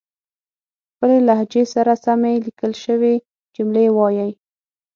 خپلې لهجې سره سمې ليکل شوې جملې وايئ